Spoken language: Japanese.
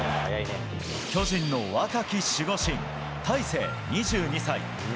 巨人の若き守護神、大勢２２歳。